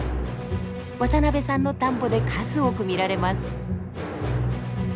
渡部さんの田んぼで数多く見られます。